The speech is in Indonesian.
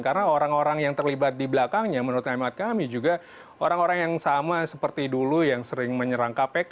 karena orang orang yang terlibat di belakangnya menurut hemat kami juga orang orang yang sama seperti dulu yang sering menyerang kpk